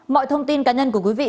mọi thông tin cá nhân của quý vị